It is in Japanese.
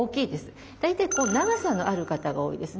大体長さのある方が多いですね。